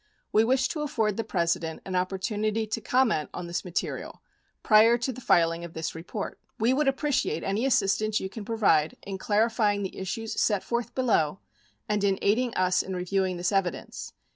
We wish to afford the President an opportunity to comment on this material prior to the filing of this report. We would appreciate any assistance you can pro vide in clarifying the issues set forth below and in aiding us in reviewing this evidence.